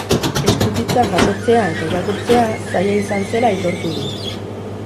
Eskutitza jasotzea eta irakurtzea zaila izan zela aitortu du.